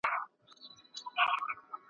ټول ناست وو پۀ محفل کې څنګ پۀ څنګ سبحان الله